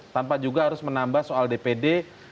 tanpa juga harus menambah soal dpd